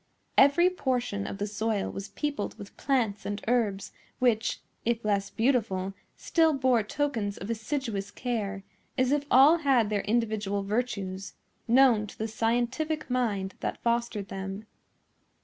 Every portion of the soil was peopled with plants and herbs, which, if less beautiful, still bore tokens of assiduous care, as if all had their individual virtues, known to the scientific mind that fostered them.